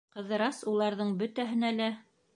Ҡыҙырас уларҙың бөтәһенә лә: